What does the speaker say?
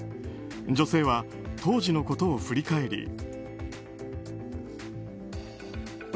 女性は、当時のことを振り返り。